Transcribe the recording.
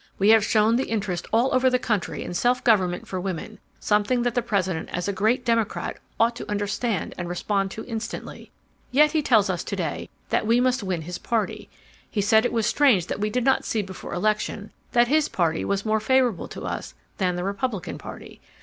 We have shown the interest all over the country in self government for women—something that the President as a great Democrat ought to understand and respond to instantly. Yet he tells us to day that we must win his party. He said it was strange that we did not see before election that his party was more favorable to us than the Republican party.